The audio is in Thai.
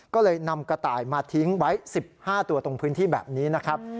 ก็เลยนำกระต่ายมาทิ้งไว้๑๕ตัวตรงพื้นที่แบบนี้นะครับ